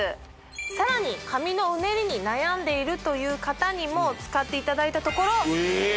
さらに髪のうねりに悩んでいるという方にも使っていただいたところえっ！